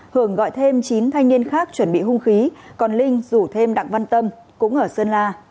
hưởng gọi thêm chín thanh niên khác chuẩn bị hung khí còn linh rủ thêm đặng văn tâm cũng ở sơn la